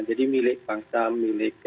jadi milik bangsa milik